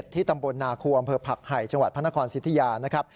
ที่ตำบลนาควมอำเภอผักไหยจังหวัดพนธครสิทธิยา